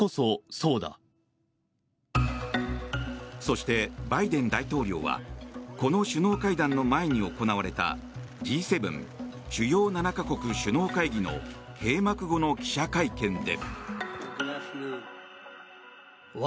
そして、バイデン大統領はこの首脳会談の前に行われたＧ７・主要７か国首脳会議の閉幕後の記者会見で。